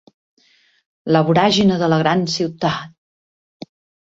La voràgine de la gran ciutat.